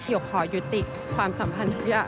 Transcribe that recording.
หยกขอยุติความสัมพันธ์ทุกอย่าง